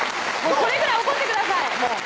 これぐらい怒ってください